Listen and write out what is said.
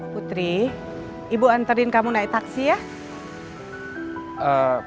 putri ibu antarin kamu naik taksi ya